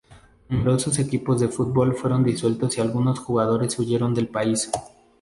Numerosos equipos de fútbol fueron disueltos y algunos jugadores huyeron del país.